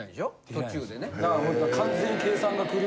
途中でね。